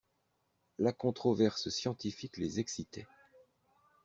La controverse scientifique les excitait.